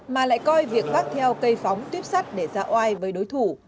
mà lại coi việc vác theo cây phóng tuyếp sắt để ra oai với đối thủ